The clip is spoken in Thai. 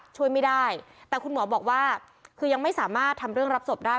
ช่วยไม่ได้แต่คุณหมอบอกว่าคือยังไม่สามารถทำเรื่องรับศพได้